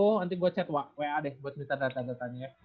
nanti gua chat wa deh buat misalnya datanya thank you ya